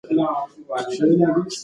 پښتو یوازې ژبه نه بلکې یو لوی کلتور دی.